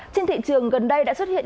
trên thị trường gần đây đã xuất hiện